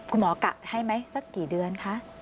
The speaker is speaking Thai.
คุณหมอกะให้ไหมสักกี่เดือนคะ